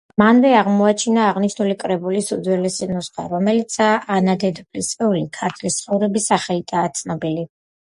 მანვე აღმოაჩინა აღნიშნული კრებულის უძველესი ნუსხა, რომელიც ანა დედოფლისეული „ქართლის ცხოვრების“ სახელითაა ცნობილი.